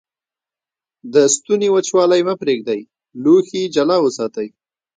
د ستوني وچوالی مه پرېږدئ. لوښي جلا وساتئ.